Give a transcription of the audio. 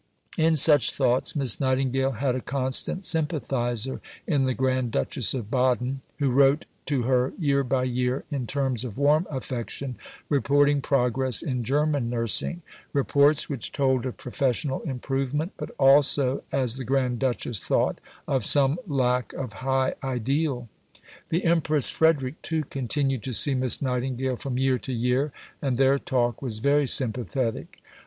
In such thoughts Miss Nightingale had a constant sympathizer in the Grand Duchess of Baden, who wrote to her year by year, in terms of warm affection, reporting progress in German nursing reports which told of professional improvement, but also, as the Grand Duchess thought, of some lack of high ideal. The Empress Frederick, too, continued to see Miss Nightingale from year to year, and their talk was very sympathetic.